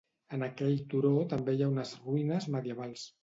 En aquell turó també hi ha unes ruïnes medievals.